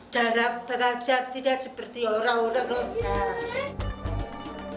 dalam pengajar tidak seperti orang orang lontar